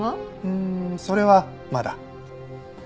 うーんそれはまだ。